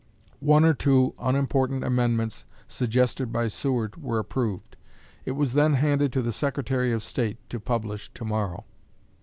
One or two unimportant amendments suggested by Seward were approved. It was then handed to the Secretary of State to publish to morrow."